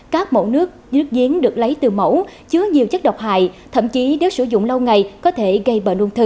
các mẫu nước như nước diến được lấy từ mẫu chứa nhiều chất độc hại thậm chí nếu sử dụng lâu ngày có thể gây bệnh ung thư